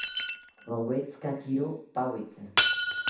Rowetzikakiro pawitzi